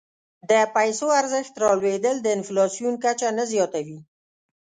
د پیسو ارزښت رالوېدل د انفلاسیون کچه نه زیاتوي.